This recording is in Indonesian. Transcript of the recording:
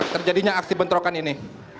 terjadinya aksi bentrokan ini